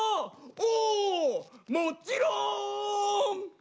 「おもちろん！」。